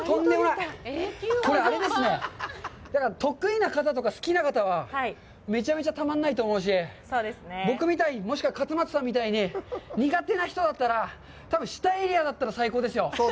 これ、あれですね、だから得意な方とか好きな方はめちゃめちゃたまらないと思うし、僕みたいに、もしくは勝俣さんみたいに苦手な人だったら、多分、下のエリアだったら最高ですよ。